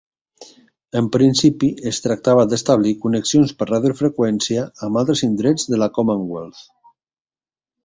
En principi es tractava d'establir connexions per radiofreqüència amb altres indrets de la Commonwealth.